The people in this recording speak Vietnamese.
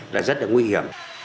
là rất là nguy hiểm